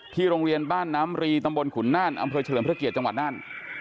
โรงเรียนบ้านน้ำรีตำบลขุนน่านอำเภอเฉลิมพระเกียรติจังหวัดน่าน